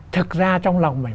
thực ra trong lòng mình